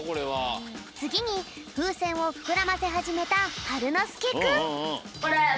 つぎにふうせんをふくらませはじめたはるのすけくん。